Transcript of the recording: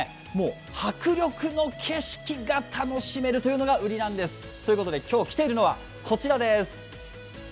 迫力の景色が楽しめるというのが売りなんです。ということで今日来ているのはこちらです。